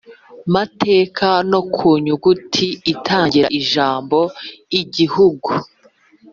Mateka no ku nyuguti itangira ijambo igihugu